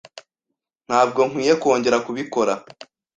Ntabwo nkwiye kongera kubikora.